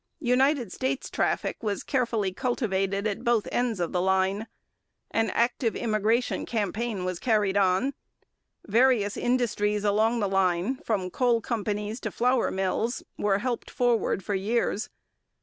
United States traffic was carefully cultivated at both ends of the line. An active immigration campaign was carried on. Various industries along the line, from coal companies to flour mills, were helped forward for years.